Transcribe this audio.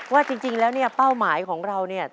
ว่าจริงแล้วเนี่ยเป้าหมายของเราเนี่ย